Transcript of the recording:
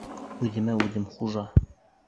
Үҙемә үҙем хужа.